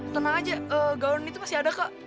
tenang aja gaun itu masih ada kok